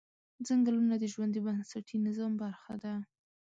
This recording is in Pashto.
ځنګلونه د ژوند د بنسټي نظام برخه ده